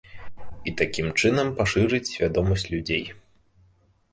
І такім чынам пашырыць свядомасць людзей.